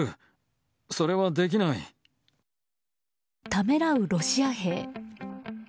ためらうロシア兵。